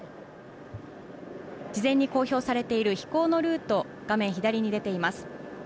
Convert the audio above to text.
事前に公表されている飛行のルート、画面左に出ています。